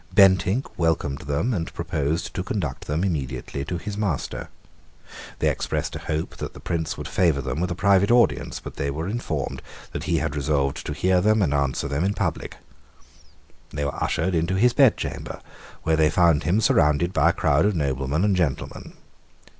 Bentinck welcomed them, and proposed to conduct them immediately to his master. They expressed a hope that the Prince would favour them with a private audience; but they were informed that he had resolved to hear them and answer them in public. They were ushered into his bedchamber, where they found him surrounded by a crowd of noblemen and gentlemen.